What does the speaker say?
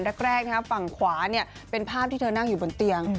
แรกฝั่งขวาเป็นภาพที่เธอนั่งอยู่บนเตียง